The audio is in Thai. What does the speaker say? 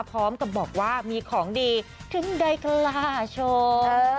พร้อมกับบอกว่ามีของดีถึงได้กล้าโชว์